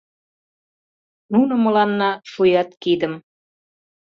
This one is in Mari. Нуно мыланна шӱят кидым